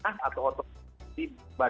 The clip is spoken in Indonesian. nah atau otot pribadi